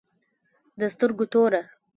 د سترگو توره